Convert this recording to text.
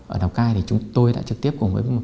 ở lào cai thì chúng tôi đã trực tiếp cùng với một